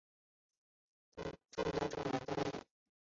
众人呆站在外